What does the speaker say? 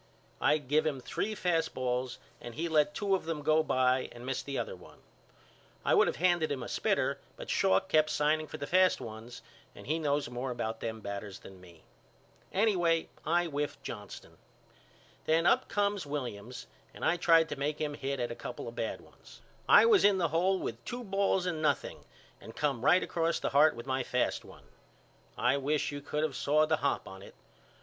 I give him three fast balls and he let two of them go by and missed the other one. I would of handed him a spitter but Schalk kept signing for fast ones and he knows more about them batters than me. Anyway I whiffed Johnston. Then up come Williams and I tried to make him hit at a couple of bad ones. I was in the hole with two balls and nothing and come right across the heart with my fast one. I wish you could of saw the hop on it.